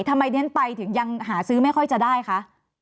ทำไมเรียนไปถึงยังหาซื้อไม่ค่อยจะได้คะ